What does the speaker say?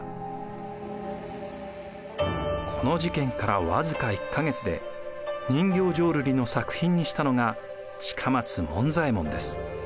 この事件から僅か１か月で人形浄瑠璃の作品にしたのが近松門左衛門です。